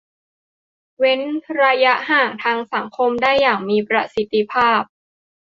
เว้นระยะห่างทางสังคมได้อย่างมีประสิทธิภาพ